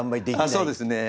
あっそうですね。